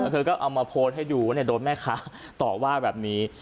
เธอก็เอามาโพสต์ให้ดูว่าโดนแม่ค้าต่อว่าแบบนี้